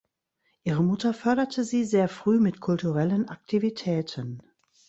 Ihre Mutter förderte sie sehr früh mit kulturellen Aktivitäten.